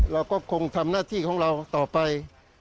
เราก็คงทำหน้าที่ของเราต่อไป